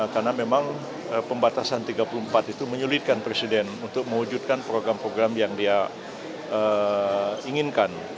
karena memang pembatasan tiga puluh empat itu menyulitkan presiden untuk mewujudkan program program yang dia inginkan